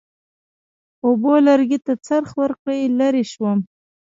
اوبو لرګي ته څرخ ورکړ، لرې شوم.